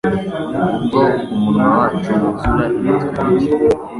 Ubwo umunwa wacu wuzura ibitwenge